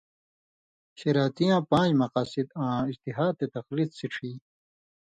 شِراتیاں پان٘ژ مقاصِد آں اِجتہاد تے تقلید سِڇھی۔